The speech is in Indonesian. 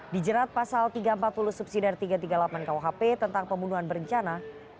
dijerat pasal tiga ratus empat puluh subsidar tiga ratus tiga puluh delapan kuhp tentang pembunuhan berencana